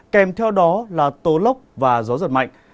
kém theo đó là tố lóc và gió giật mạnh